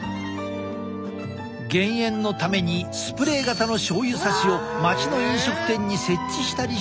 減塩のためにスプレー型の醤油さしを町の飲食店に設置したりしてきた。